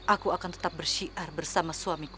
aku akan tetap bersyiar bersama suamiku